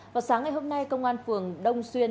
vào sáng ngày hôm nay công an phường đông xuyên